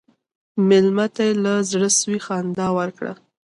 مېلمه ته له زړه سوي خندا ورکړه.